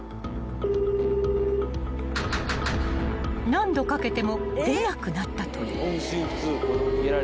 ［何度かけても出なくなったという］